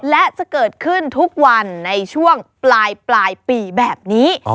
และจะเกิดขึ้นทุกวันในช่วงปลายปีแบบนี้